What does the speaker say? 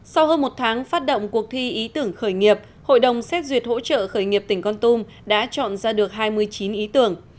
sau hơn một tháng phát động cuộc thi ý tưởng khởi nghiệp hội đồng xét duyệt hỗ trợ khởi nghiệp tỉnh con tum đã chọn ra được hai mươi chín ý tưởng